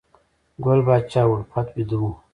ګل پاچا الفت بیده و